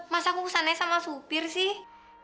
masa kukusannya sama supir sih